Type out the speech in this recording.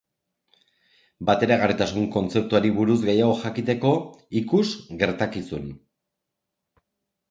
Bateragarritasun kontzeptuari buruz gehiago jakiteko, ikus Gertakizun.